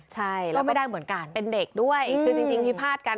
ใช่แล้วก็เป็นเด็กด้วยคือจริงพิพาทกัน